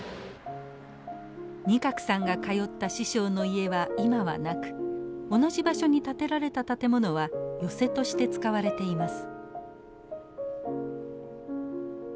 仁鶴さんが通った師匠の家は今はなく同じ場所に建てられた建物は寄席として使われています。